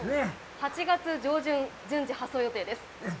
８月上旬、順次発送予定です。